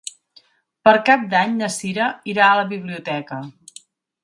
Per Cap d'Any na Sira irà a la biblioteca.